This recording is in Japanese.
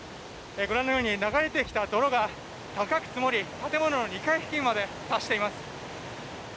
ご覧のように流れてきた泥が高く積もり建物の２階付近まで達しています。